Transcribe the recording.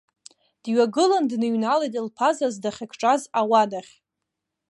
Дҩагылан дныҩналеит лԥазаҵә дахьыкҿаз ауадахь.